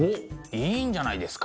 いいんじゃないですか？